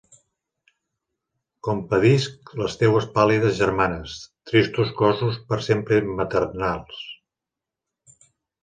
Compadisc les teues pàl·lides germanes, tristos cossos per sempre immaternals.